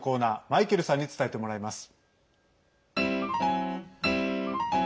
マイケルさんに伝えてもらいます。